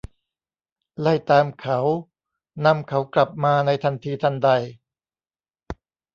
ไล่ตามเขา ; นำเขากลับมาในทันทีทันใด